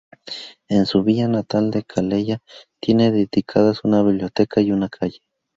En su villa natal de Calella tiene dedicadas una biblioteca y una calle.